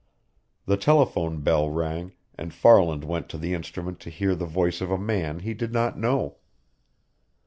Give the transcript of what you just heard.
The telephone bell rang, and Farland went to the instrument to hear the voice of a man he did not know.